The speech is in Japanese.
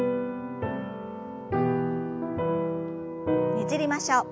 ねじりましょう。